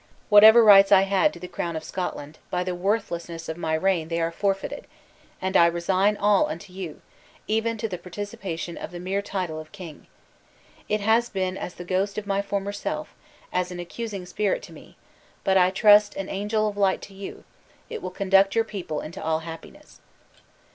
"Whatever rights I had to the crown of Scotland, by the worthlessness of my reign they are forfeited; and I resign all unto you, even to the participation of the mere title of king. It has been as the ghost of my former self, as an accusing spirit to me, but, I trust, an angel of light to you, it will conduct your people into all happiness!"